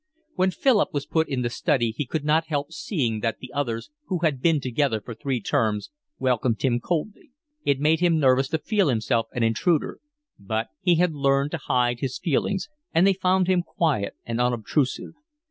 When Philip was put in the study he could not help seeing that the others, who had been together for three terms, welcomed him coldly. It made him nervous to feel himself an intruder; but he had learned to hide his feelings, and they found him quiet and unobtrusive.